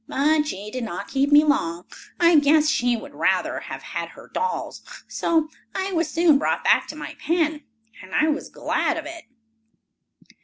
But she did not keep me long. I guess she would rather have had her dolls, so I was soon brought back to my pen. And I was glad of it."